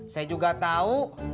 saya juga tau